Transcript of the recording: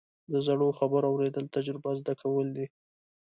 د زړو خبرو اورېدل، تجربه زده کول دي.